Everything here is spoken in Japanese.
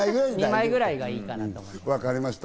２枚ぐらいがいいかなと思います。